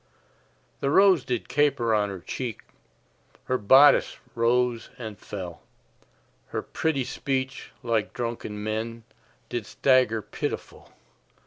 The rose did caper on her cheek, Her bodice rose and fell, Her pretty speech, like drunken men, Did stagger pitiful.